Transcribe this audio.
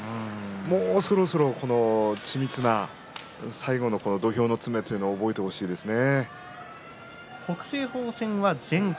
もうそろそろ緻密な最後の土俵への攻めというのを覚えてほしいですね。